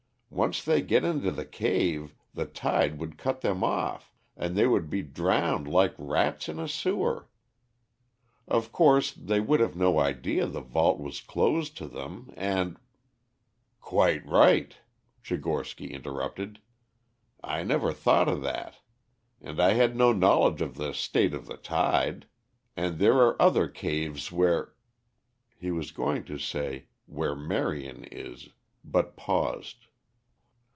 Once they get into the cave the tide would cut them off, and they would be drowned like rats in a sewer. Of course, they would have no idea the vault was closed to them, and " "Quite right," Tchigorsky interrupted. "I never thought of that. And I had no knowledge of the state of the tide. And there are other caves where " He was going to say "where Marion is," but paused.